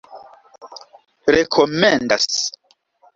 rekomendas